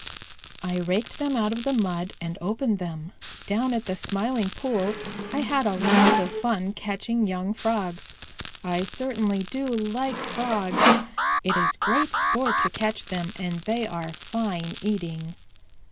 "I raked them out of the mud and opened them. Down at the Smiling Pool I had a lot of fun catching young Frogs. I certainly do like Frogs. It is great sport to catch them, and they are fine eating."